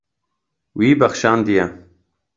Wî bexşandiye.